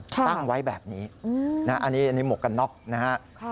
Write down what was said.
ตั้งไว้แบบนี้อันนี้หมวกกันน็อกนะฮะ